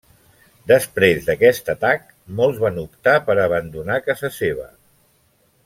Després d’aquest atac, molts van optar per abandonar casa seva.